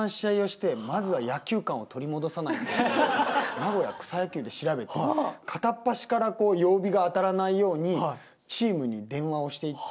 「名古屋草野球」で調べて片っ端から曜日が当たらないようにチームに電話をしていって。